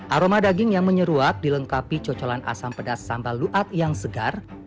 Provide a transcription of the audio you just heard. aroma daging yang menyeruak dilengkapi cocolan asam pedas sambal luat yang segar